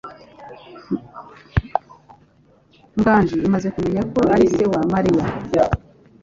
Nganji amaze kumenya ko ari se wa Mariya.